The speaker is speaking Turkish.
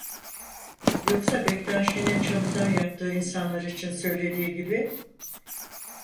Yoksa Bektaşi'nin çamurdan yaptığı insanlar için söylediği gibi: